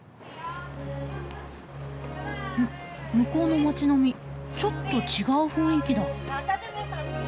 向こうの町並みちょっと違う雰囲気だ。